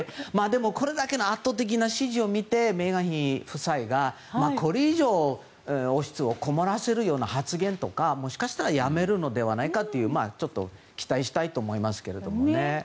でも、これだけの圧倒的な支持を見てメーガン妃夫妻がこれ以上王室を困らせる発言とかもしかしたらやめるのではないかと期待したいと思いますけどね。